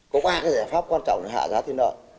có ba cái giải pháp quan trọng để hạ giá thiên đoạn